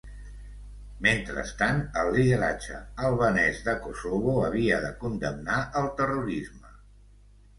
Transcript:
Mentrestant, el lideratge albanès de Kosovo havia de condemnar el terrorisme.